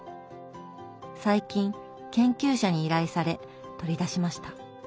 最近研究者に依頼され取り出しました。